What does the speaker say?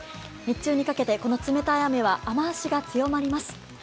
日中にかけてこの冷たい雨は雨足が強まります。